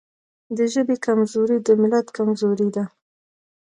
د ژبې کمزوري د ملت کمزوري ده.